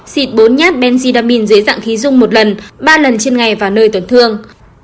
xịt bốn nhát benzidamine dưới dạng khí dung một lần ba lần trên ngày vào nơi tuần thương